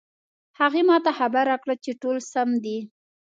هغې ما ته خبر راکړ چې ټول سم دي